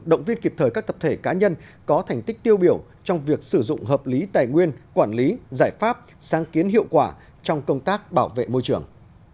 động viên kịp thời các tập thể cá nhân có thành tích tiêu biểu trong việc sử dụng hợp lý tài nguyên quản lý giải pháp sáng kiến hiệu quả trong công tác bảo vệ môi trường